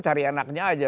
cari enaknya aja